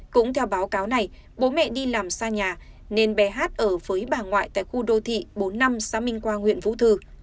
cũng theo báo cáo này bố mẹ đi làm xa nhà nên bé hát ở với bà ngoại tại khu đô thị bốn mươi năm xã minh quang huyện vũ thư